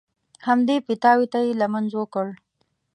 همدې پیتاوي ته یې لمونځ وکړ.